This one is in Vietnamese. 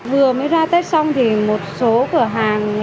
vừa mới ra tết xong thì một số cửa hàng